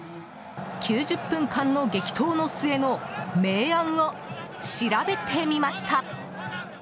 ９０分間の激闘の末の明暗を調べてみました。